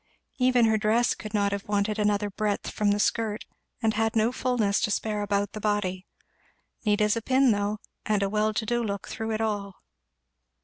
Even her dress could not have wanted another breadth from the skirt and had no fulness to spare about the body. Neat as a pin though; and a well to do look through it all.